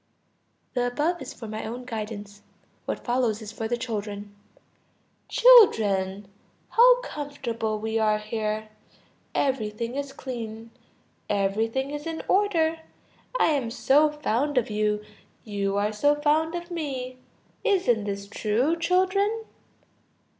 The above is for my own guidance; what follows is for the children. "Children, how comfortable we are here! Everything is clean; everything is in order; I am so fond of you; you are so fond of me. Isn't this true, children?